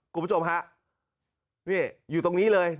คุณผู้ชมฮะนี่อยู่ตรงนี้เลย